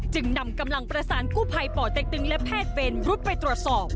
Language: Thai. นำกำลังประสานกู้ภัยป่อเต็กตึงและแพทย์เวรรุดไปตรวจสอบ